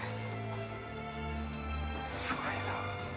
すごいな。